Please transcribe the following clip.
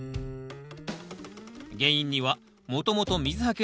原因にはもともと水はけの悪い土地。